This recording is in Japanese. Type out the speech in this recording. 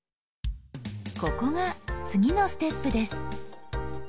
ここが次のステップです。